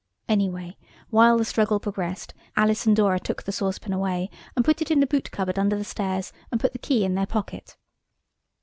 Anyway, while the struggle progressed, Alice and Dora took the saucepan away and put it in the boot cupboard under the stairs and put the key in their pocket.